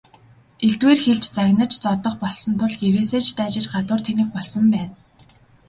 Элдвээр хэлж, загнаж зодох болсон тул гэрээсээ ч дайжиж гадуур тэнэх болсон байна.